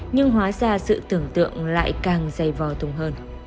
nhưng hóa ra sự tưởng tượng lại càng dày vò thùng hơn